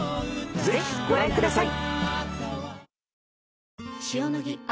ぜひご覧ください。